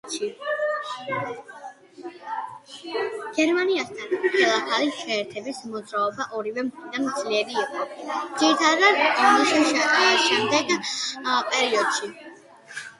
გერმანიასთან ხელახალი შეერთების მოძრაობა ორივე მხრიდან ძლიერი იყო, ძირითადად ომის შემდეგ პერიოდში.